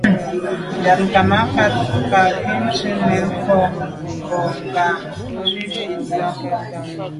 Njag ghammatat kà nkum ndùs’a nèn mfan bon ngab bo tswe fite là.